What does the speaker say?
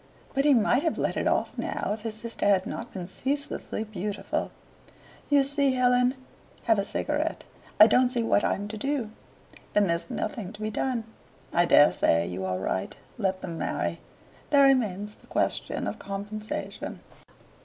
But he might have let it off now if his sister had not been ceaselessly beautiful. "You see, Helen have a cigarette I don't see what I'm to do." "Then there's nothing to be done. I dare say you are right. Let them marry. There remains the question of compensation.